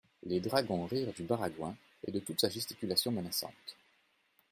Les dragons rirent du baragouin et de toute sa gesticulation menaçante.